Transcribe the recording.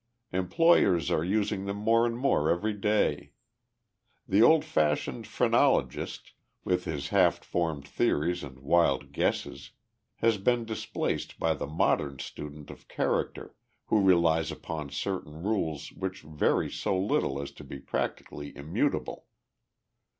Employers are using them more and more every day. The old fashioned phrenologist, with his half formed theories and wild guesses, has been displaced by the modern student of character, who relies upon certain rules which vary so little as to be practically immutable."